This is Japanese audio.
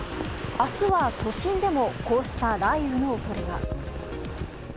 明日は、都心でもこうした雷雨の恐れが。